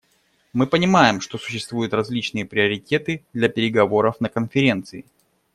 Мы понимаем, что существуют различные приоритеты для переговоров на Конференции.